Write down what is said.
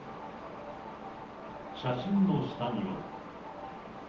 写真の下には。